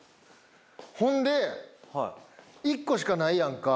ほんで１個しかないやんか？